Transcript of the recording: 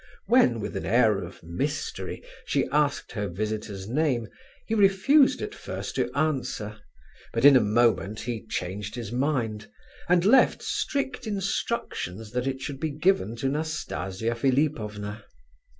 When, with an air of mystery, she asked her visitor's name, he refused at first to answer, but in a moment he changed his mind, and left strict instructions that it should be given to Nastasia Philipovna.